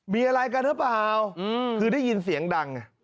มีอะไรกันหรือเปล่าคือได้ยินเสียงดัง